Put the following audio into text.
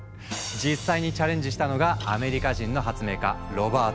実際にチャレンジしたのがアメリカ人の発明家ロバート・ゴダード。